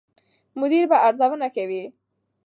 مدیر به ارزونه کوي.